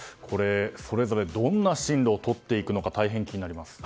それぞれどんな進路をとっていくのか大変気になりますね。